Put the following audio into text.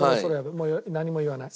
もう何も言わない。